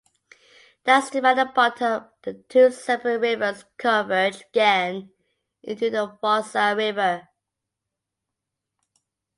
Downstream at the bottom the two separate rivers converge again into the Fossa river.